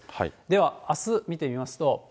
では、あす見てみますと。